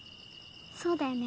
そうだよね。